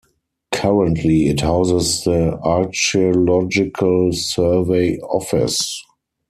Currently it houses the archaeological survey office.